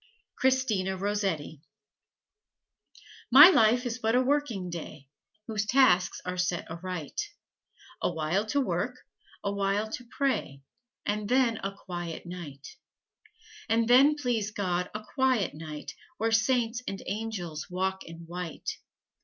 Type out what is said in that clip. CHRISTINA ROSSETTI My life is but a working day, Whose tasks are set aright: A while to work, a while to pray, And then a quiet night. And then, please God, a quiet night Where Saints and Angels walk in white.